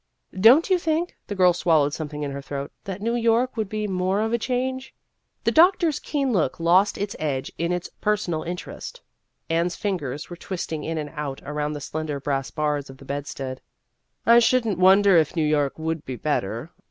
" Don't you think," the girl swallowed something in her throat, " that New York would be more of a change ?" The doctor's keen look lost its edge in its personal interest. Anne's fingers were twisting in and out around the slender brass bars of the bedstead. " I should n't wonder if New York would be better.